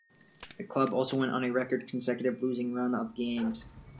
The club also went on a record consecutive losing run of games.